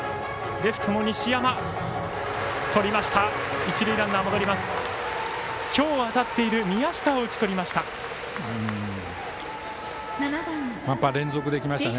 レフトの西山、とりました。